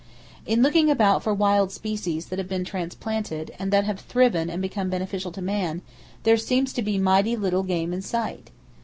In looking about for wild species that have been transplanted, and that have thriven and become beneficial to man, there seems to be mighty little game in sight!